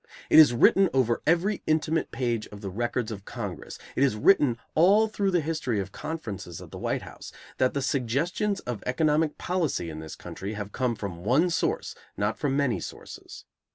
It is written over every intimate page of the records of Congress, it is written all through the history of conferences at the White House, that the suggestions of economic policy in this country have come from one source, not from many sources.